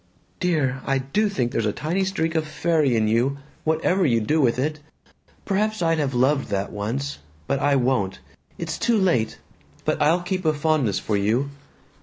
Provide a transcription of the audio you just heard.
"Dear, I do think there's a tiny streak of fairy in you whatever you do with it. Perhaps I'd have loved that once. But I won't. It's too late. But I'll keep a fondness for you.